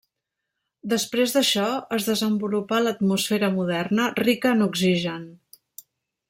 Després d'això, es desenvolupà l'atmosfera moderna rica en oxigen.